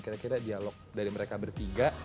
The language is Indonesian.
kira kira dialog dari mereka bertiga